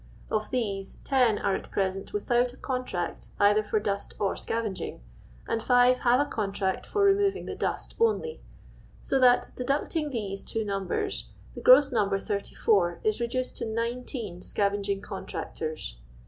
Of these, 10 are at present without a contract either for dust or scavenging, and 5 have a contract for removing the dust only ; so that, deducting these two numbers, the gross number 34 is re duced to 19 scavenging contractors.